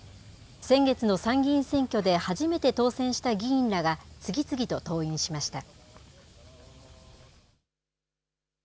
先月の参議院選挙で初めて当選した議員らが、次々と登院しました。